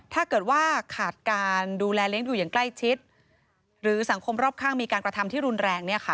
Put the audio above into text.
ถ้าเกิดว่าขาดการดูแลเลี้ยงดูอย่างใกล้ชิดหรือสังคมรอบข้างมีการกระทำที่รุนแรง